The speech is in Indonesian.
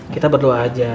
kita berdua aja